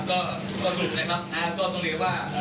ก็ข้อสรุปนะครับก็ต้องเรียกว่า